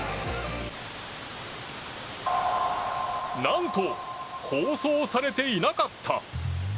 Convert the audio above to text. なんと、放送されていなかった。